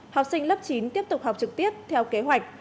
học sinh lớp chín tiếp tục học trực tiếp theo kế hoạch